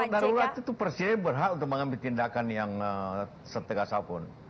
kalau darurat itu persis berhak untuk mengambil tindakan yang setegas apun